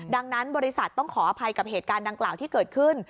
ดังนั้นบริษัทต้องขออภัยกับเหตุการณ์ดังกล่าวที่เกิดขึ้น